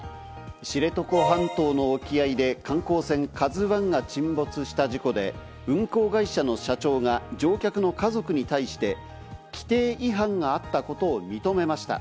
知床半島の沖合で観光船「ＫＡＺＵ１」が沈没した事故で、運航会社の社長が乗客の家族に対して、規定違反があったことを認めました。